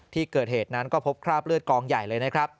ที่เกิดเหตุนั้นก็พบคราบเลือดกองใหญ่เลยนะครับ